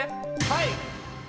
はい！